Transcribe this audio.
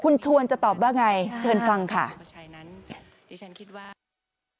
คุณชวนจะตอบว่าไงเชิญฟังค่ะ